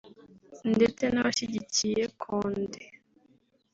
ndetse n’abashyigikiye Condé